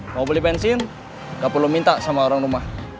mau beli bensin nggak perlu minta sama orang rumah